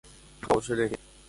Agueraháta ko ao cherehe.